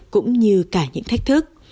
cũng như cả những thách thức